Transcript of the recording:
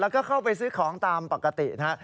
แล้วก็เข้าไปซื้อของตามปกตินะฮะ